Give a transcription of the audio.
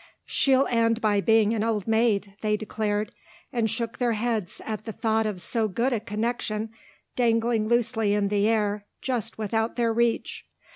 "She'll end by being an old maid," they declared, and shook their heads at the thought of so good a connection dangling loosely in the air just without their reach.